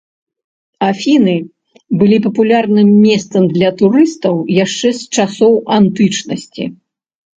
Афіны былі папулярным месцам для турыстаў яшчэ з часоў антычнасці.